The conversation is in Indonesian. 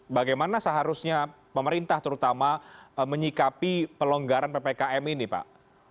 bagaimana seharusnya pemerintah terutama menyikapi pelonggaran ppkm ini pak